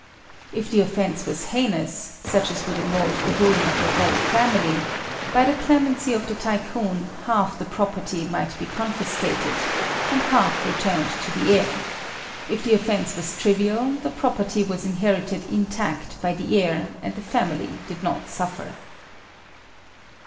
If the offence was heinous, such as would involve the ruin of the whole family, by the clemency of the Tycoon, half the property might be confiscated, and half returned to the heir; if the offence was trivial, the property was inherited intact by the heir, and the family did not suffer.